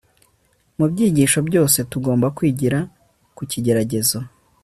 Mu byigisho byose tugomba kwigira mu kigeragezo